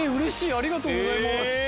ありがとうございます。